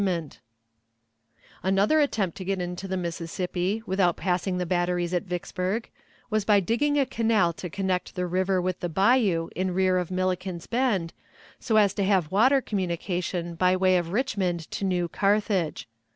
[Illustration: Map of area north of Vicksburg] Another attempt to get into the Mississippi, without passing the batteries at Vicksburg, was by digging a canal to connect the river with the bayou in rear of Milliken's Bend, so as to have water communication by way of Richmond to New Carthage.